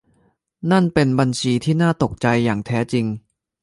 นั่นเป็นบัญชีที่น่าตกใจอย่างแท้จริง